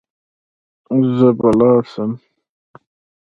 زه به لاړ سم.